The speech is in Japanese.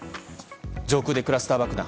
上空でクラスター爆弾